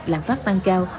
làm phát mang cao